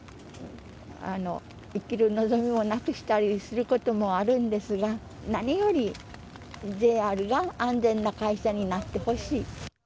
生きる望みをなくしたりすることもあるんですが、何よりＪＲが安全な会社になってほしい。